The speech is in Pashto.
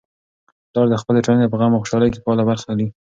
پلار د خپلې ټولنې په غم او خوشالۍ کي فعاله برخه اخلي.